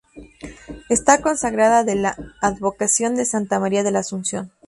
Está consagrada a la advocación de Santa María de la Asunción.